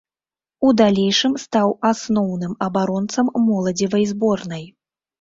У далейшым стаў асноўным абаронцам моладзевай зборнай.